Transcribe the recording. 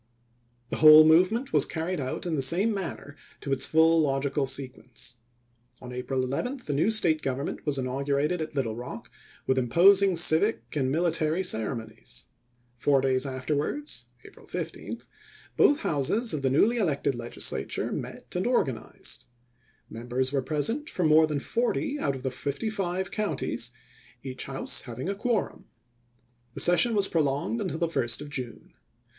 The whole movement was carried out in the same manner to its full logical sequence. On April 11 the new State government was inaugurated at Little Rock with imposing civic and military cere monies. Four days afterwards (April 15) both Houses of the newly elected Legislature met and organized. Members were present from more than forty out of the fifty five counties, each House hav ing a quorum. The session was prolonged until the 1st of June.